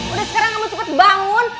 udah sekarang kamu cepat bangun